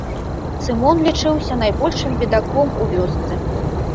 Сымон лічыўся найбольшым бедаком у вёсцы.